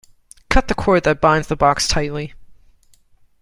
Cut the cord that binds the box tightly.